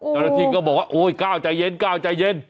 กำลังที่ก็บอกว่าก้าวใจเย็น